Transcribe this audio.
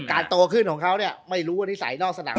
โตขึ้นของเขาเนี่ยไม่รู้ว่านิสัยนอกสนาม